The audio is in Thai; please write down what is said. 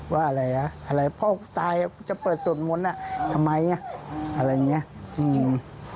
ว่าอะไรอ่ะอะไรพ่อตายจะเปิดสวดมนต์อ่ะทำไมอ่ะอะไรอย่างเงี้ยอืม